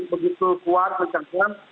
begitu kuat mencengkeam